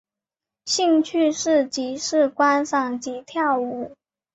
兴趣是即时观赏及跳舞。